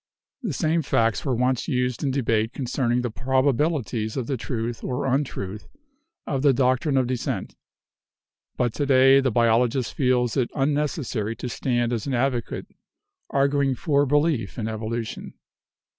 The same facts were once used in debate concerning the probabilities of the truth or untruth of the doctrine of descent, but to day the biolo gist feels it unnecessary to stand as an advocate arguing for belief in evolution.